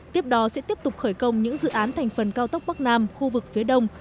tiếp đó sẽ tiếp tục khởi công những dự án thành phần cao tốc bắc nam khu vực phía đông